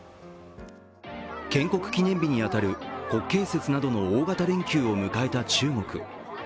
建国記念日に当たる国慶節などの大型連休を迎えた中国。